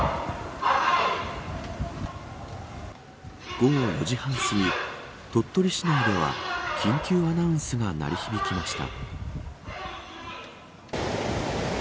午後４時半すぎ鳥取市内では緊急アナウンスが鳴り響きました。